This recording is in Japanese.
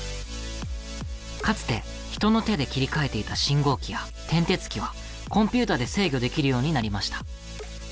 かつて人の手で切り替えていた信号機や転てつ機はコンピューターで制御できるようになりました。